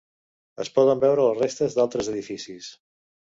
Es poden veure les restes d'altres edificis.